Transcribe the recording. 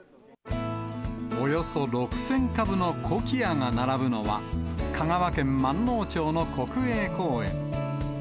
およそ６０００株のコキアが並ぶのは、香川県まんのう町の国営公園。